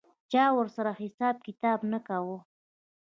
چا ورسره حساب کتاب نه کاوه.